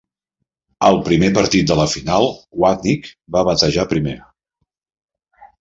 Al primer partit de la final, Wapnick va batejar primer.